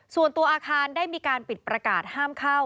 ส่วนตัวอาคารได้มีการปิดประกาศห้ามเข้า